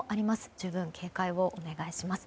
十分に警戒をお願いします。